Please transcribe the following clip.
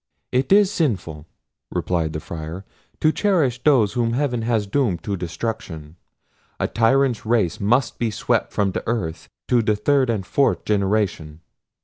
"It is sinful," replied the Friar, "to cherish those whom heaven has doomed to destruction. A tyrant's race must be swept from the earth to the third and fourth generation."